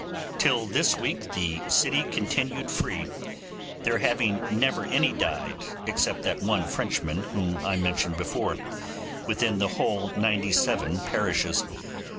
Till this week the city continued free, there having never any died, except that one Frenchman whom I mentioned before, within the whole ninety seven parishes.